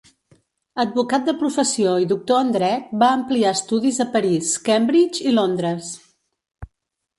Advocat de professió i doctor en Dret, va ampliar estudis a París, Cambridge i Londres.